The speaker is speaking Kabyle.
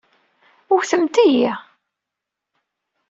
Wwtemt-iyi.